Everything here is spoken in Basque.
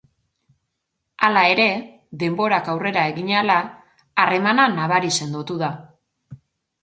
Hala ere, denborak aurrera egin ahala, harremana nabari sendotu da.